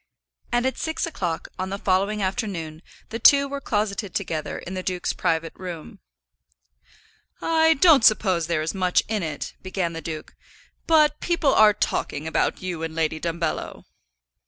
And at six o'clock on the following afternoon the two were closeted together in the duke's private room. "I don't suppose there is much in it," began the duke, "but people are talking about you and Lady Dumbello."